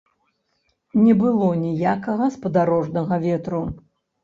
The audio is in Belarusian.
Не было ніякага спадарожнага ветру.